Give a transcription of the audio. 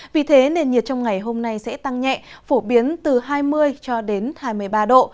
vì thế nền nhiệt trong ngày hôm nay sẽ tăng nhẹ phổ biến từ hai mươi cho đến hai mươi ba độ